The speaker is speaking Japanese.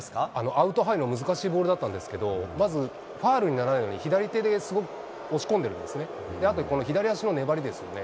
アウトハイの難しいボールだったんですけど、まずファウルにならないように、左手で押し込んでるんですね、あと左足の粘りですよね。